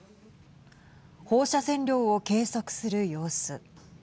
放射線量を計測する様子。